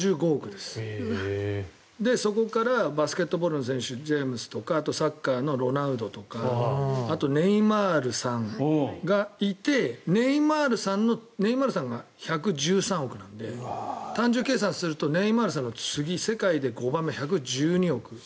で、そこからバスケットボールの選手ジェームズとかあとはサッカーのロナウドとかあとネイマールさんがいてネイマールさんが１１３億なんで単純計算するとネイマールさんの次世界で５番目、１１２億。